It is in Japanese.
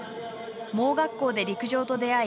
盲学校で陸上と出会い